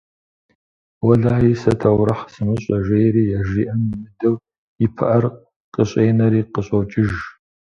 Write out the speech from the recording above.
Уэлэхьи, сэ таурыхъ сымыщӏэ, - жери, яжриӏэн имыдэу, и пыӏэр къыщӏенэри къыщӏокӏыж.